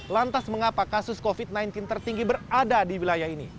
lantas mengapa kasus covid sembilan belas tertinggi berada di wilayah ini